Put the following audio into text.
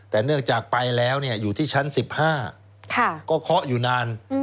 แต่เนื่องจากไปแล้วอยู่ที่ชั้น๑๕ก็เคาะอยู่นาน